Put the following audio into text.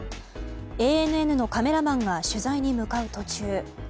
ＡＮＮのカメラマンが取材に向かう途中。